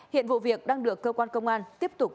hiện vụ việc đang được cơ quan công an tiếp tục